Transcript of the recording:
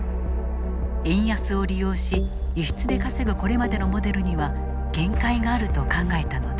円安を利用し、輸出で稼ぐこれまでのモデルには限界があると考えたのだ。